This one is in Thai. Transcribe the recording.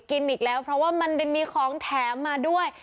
กินอีกแล้วเพราะว่ามันมีของแถมมาด้วย